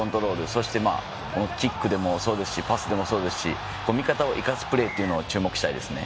そして、キックでもそうですしパスでもそうですし味方を生かすプレーを期待したいですね。